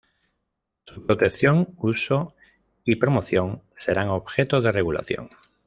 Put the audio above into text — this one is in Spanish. Su protección, uso y promoción serán objeto de regulación.